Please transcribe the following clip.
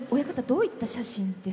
どういった写真です？